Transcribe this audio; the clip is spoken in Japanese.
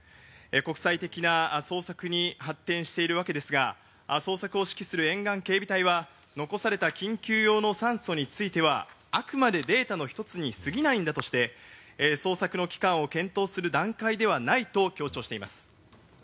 国際的な捜索に発展しているわけですが、捜索を指揮する沿岸警備隊は、残された緊急用の酸素についてはあくまでデータの１つに過ぎないんだとして、捜索の期間を検討する段階ではないと強調しています。